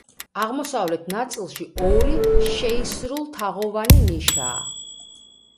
აღმოსავლეთ ნაწილში, ორი შეისრულთაღოვანი ნიშაა.